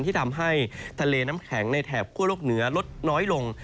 ที่ทำให้ทะเลน้ำแข็งในแถบคั่วโลกเหนือลดน้อยลง